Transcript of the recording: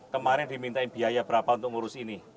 kemarin dimintain biaya berapa untuk ngurus ini